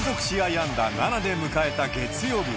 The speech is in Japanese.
安打７で迎えた月曜日。